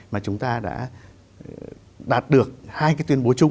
mà chúng ta đã đạt được hai cái tuyên bố chung